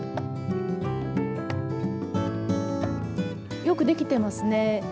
よくできてますね。